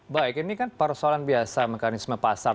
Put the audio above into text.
baik ini kan persoalan biasa mekanisme pasar